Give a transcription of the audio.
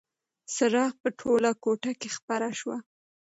څراغ په ټوله کوټه کې خپره شوه.